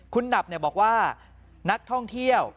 คุณหนับบอกว่านักท่องเที่ยว